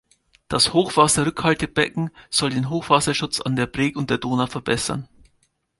Das Hochwasserrückhaltebecken soll den Hochwasserschutz an der Breg und der Donau verbessern.